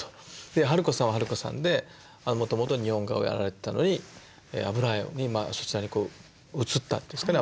春子さんは春子さんでもともと日本画をやられてたのに油絵にまあそちらに移ったんですかね。